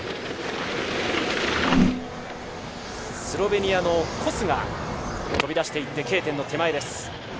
スロベニアのコスが飛び出していってＫ点の手前です。